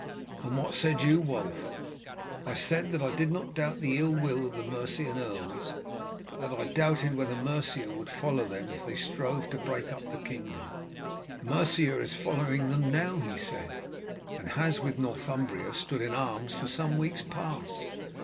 '" "And what said you, Wulf?" "I said that I did not doubt the ill will of the Mercian earls, but that I doubted whether Mercia would follow them if they strove to break up the kingdom. 'Mercia is following them now,' he said; 'and has with Northumbria stood in arms for some weeks past.